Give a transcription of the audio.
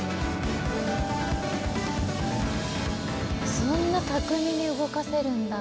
そんな巧みに動かせるんだ。